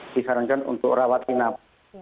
disarankan untuk rawatinap